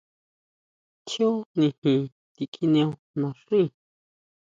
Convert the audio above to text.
Tjíó nijin tikjineo naxíi.